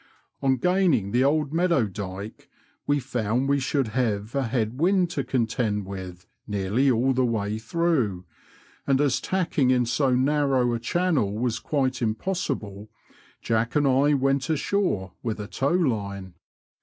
On gaining the Old Meadow Dyke, we found we should have a head wind to contend with nearly all the way through, and as tacking in so narrow a channel was quite impossible, Jack and I went ashore with a tow line.